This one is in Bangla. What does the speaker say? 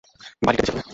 বাড়িটা বেচে দেবে?